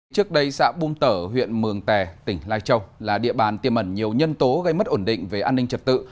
trước đây xã bùm tở huyện mường tè tỉnh lai châu là địa bàn tiêm ẩn nhiều nhân tố gây mất ổn định về an ninh trật tự